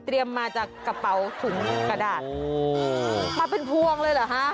มาจากกระเป๋าถุงกระดาษมาเป็นพวงเลยเหรอฮะ